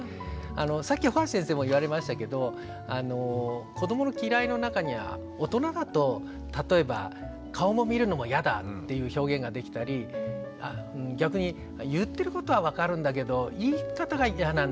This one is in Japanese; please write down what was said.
さっき帆足先生も言われましたけど子どもの「嫌い」の中には大人だと例えば「顔も見るのも嫌だ」っていう表現ができたり逆に「言ってることは分かるんだけど言い方が嫌なんだよね」